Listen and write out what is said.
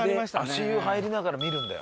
足湯入りながら見るんだよ。